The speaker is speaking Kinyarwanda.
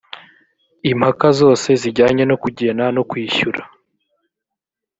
impaka zose zijyanye no kugena no kwishyura